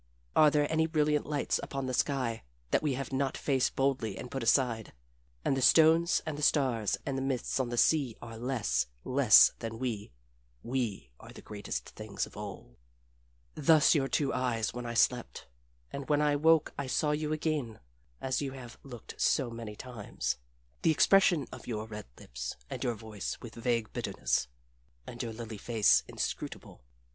Are there any brilliant lights upon the sky that we have not faced boldly and put aside? And the stones and the stars and the mists on the sea are less less than we, we are the greatest things of all." Thus your two eyes when I slept, and when I woke I saw you again as you have looked so many times the expression of your red lips, and your voice with vague bitterness, and your lily face inscrutable.